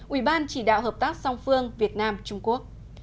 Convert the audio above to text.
ủy ban chỉ đạo hợp tác song phương việt nam trung quốc